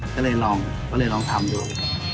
ก็เลยลองทำดู